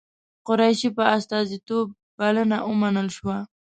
قریشي په استازیتوب بلنه ومنل شوه.